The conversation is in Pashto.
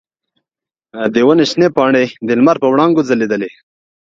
د ونې شنې پاڼې د لمر په وړانګو ځلیدلې.